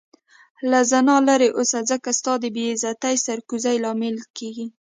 له زنا لرې اوسه ځکه ستا د بی عزتي سر کوزي لامل کيږې